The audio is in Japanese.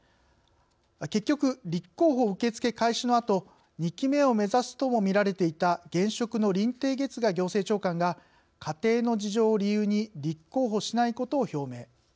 結局、立候補受け付け開始のあと２期目を目指すとも見られていた現職の林鄭月娥行政長官が「家庭の事情」を理由に立候補しないことを表明。